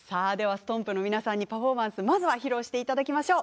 ＳＴＯＭＰの皆さんにパフォーマンスまずは披露していただきましょう。